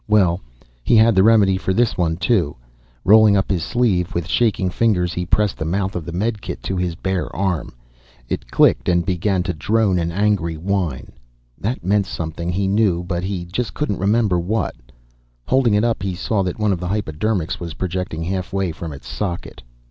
Well, he had the remedy for this one, too. Rolling up his sleeve with shaking fingers, he pressed the mouth of the medikit to his bare arm. It clicked and began to drone an angry whine. That meant something, he knew, but he just couldn't remember what. Holding it up he saw that one of the hypodermics was projecting halfway from its socket.